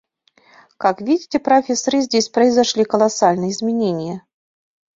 Как видите, профессор, и здесь произошли колоссальные изменения.